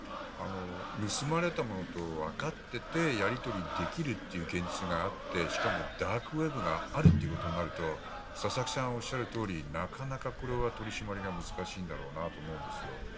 盗まれたものと分かっていてやり取りできるという現実があってしかもダークウェブがあるということになると佐々木さん、おっしゃるとおりなかなか、これは取り締まりが難しいんだろうなと思うんですよ。